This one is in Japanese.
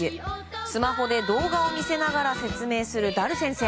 スマホで動画を見せながら説明するダル先生。